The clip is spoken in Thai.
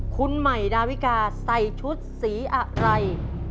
คุณใหม่ดาวิกาใส่ชุดสีอะไร